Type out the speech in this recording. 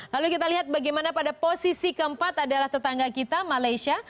lalu kita lihat bagaimana pada posisi keempat adalah tetangga kita malaysia